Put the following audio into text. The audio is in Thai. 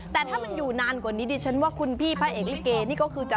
แต่ถ้ามันอยู่นานกว่านี้ดิฉันว่าคุณพี่พระเอกลิเกนี่ก็คือจะ